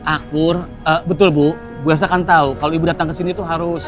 akur betul bu biasa kan tahu kalau ibu datang ke sini tuh harus